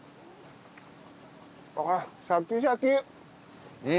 あっシャキシャキ。